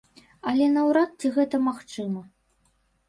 Але наўрад ці гэта магчыма.